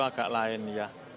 agak lain ya